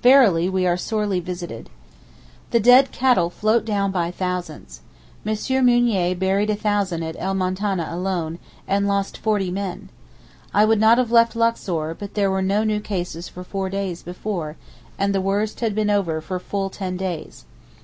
Verily we are sorely visited. The dead cattle float down by thousands. M. Mounier buried a thousand at El Moutaneh alone, and lost forty men. I would not have left Luxor, but there were no new cases for four days before, and the worst had been over for full ten days.